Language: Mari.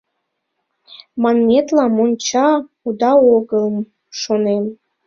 «Манметла, монча уда огыл, — шонем.